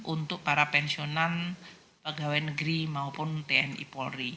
untuk para pensiunan pegawai negeri maupun tni polri